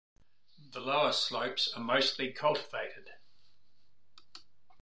The lower slopes are mostly cultivated.